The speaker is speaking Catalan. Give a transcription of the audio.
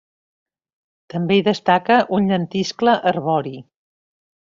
També hi destaca un llentiscle arbori.